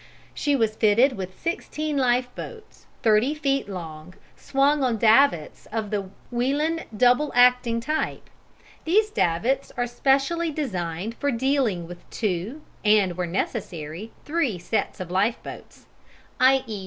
She was fitted with 16 lifeboats 30 feet long, swung on davits of the Welin double acting type. These davits are specially designed for dealing with two, and, where necessary, three, sets of lifeboats, i.e.